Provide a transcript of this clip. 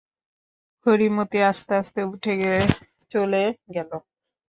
হরিমতি আস্তে আস্তে উঠে চলে গেল।